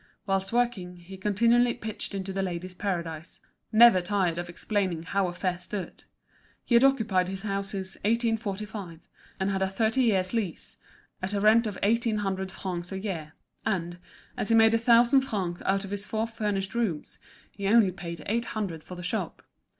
Whilst working, he continually pitched into The Ladies' Paradise; never tired of explaining how affairs stood. He had occupied his house since 1845, and had a thirty years' lease, at a rent of eighteen hundred francs a year; and, as he made a thousand francs out of his four furnished rooms, he only paid eight hundred for the shop.